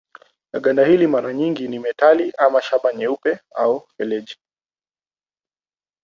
Ganda hili mara nyingi ni ya metali ama shaba nyeupe au feleji.